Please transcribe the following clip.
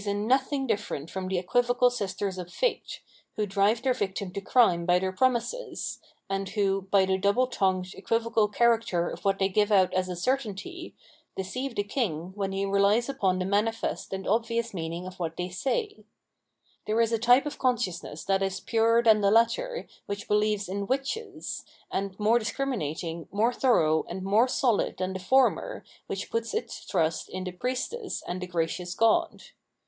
nothing different from the equivocal sisters of fate,§ who drive their victim to crime by * Oedipus. t Orestes. t In tlie Delphic Oracle. § The witches in Macbeth.'' 749 The Spiritml Worh of Art their promises, and who, by the double tongued, equivocal character of what they give out as a certainty, deceive the King when he rehes upon the manifest and obvious meaning of what they say. There is a type of consciousness that is purer than the latter* which beheves in witches, and more discriminating, more thorough and more sohd than the former which puts its trust in the priestess and the gracious god.